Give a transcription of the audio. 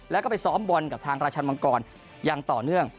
แล้วก็ไปซ้อมบอลกับทางราชันมังกรอย่างต่อเนื่อง